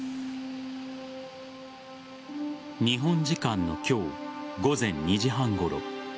日本時間の今日午前２時半ごろ